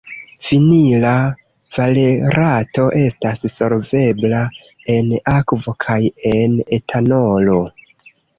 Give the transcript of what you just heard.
Vinila valerato estas solvebla en akvo kaj en etanolo.